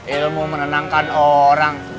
ilmu menenangkan orang